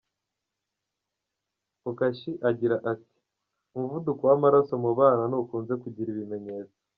Bukachi agira ati: “Umuvuduko w’amaraso mu bana ntukunze kugira ibimenyetso.